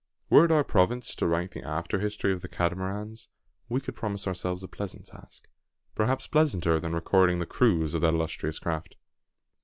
Were it our province to write the after history of the Catamarans, we could promise ourselves a pleasant task, perhaps pleasanter than recording the cruise of that illustrious craft.